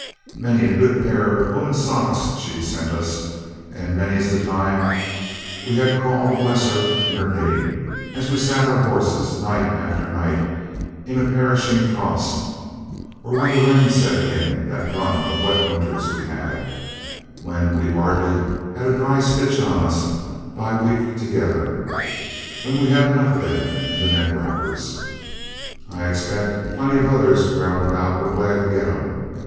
Many a good pair of woollen socks she'd sent us, and many's the time we'd had call to bless her and her knitting as we sat our horses, night after night, in a perishing frost, or when the rain set in that run of wet winters we had, when we'd hardly a dry stitch on us by the week together, when we had enough of them and the neck wrappers, I expect plenty of others round about were glad to get 'em.